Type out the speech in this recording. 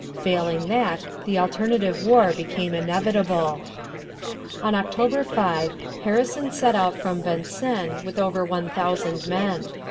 Failing that, the alternative war became inevitable. On October 5 Harrison set out from Vincennes with over one thousand men.